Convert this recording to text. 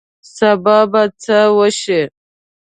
سبا به څه وشي